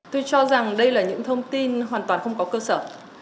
tôi cho rằng đây là những thông tin hoàn toàn không có cơ sở